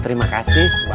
terima kasih variant